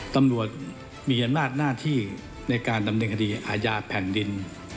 ตำรวจมีอำนาจหน้าที่ในการดำเนินคดีอาญาแผ่นดิน